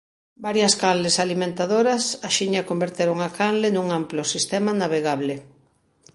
Varias canles alimentadoras axiña converteron a canle nun amplo sistema navegable.